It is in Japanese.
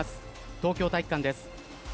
東京体育館です。